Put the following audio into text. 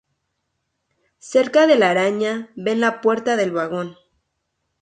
Cerca de la araña ven la puerta del vagón.